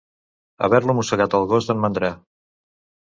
Haver-lo mossegat el gos d'en Mandra.